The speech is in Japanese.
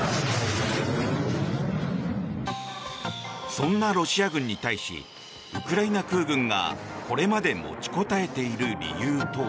そんなロシア軍に対しウクライナ空軍がこれまで持ちこたえている理由とは。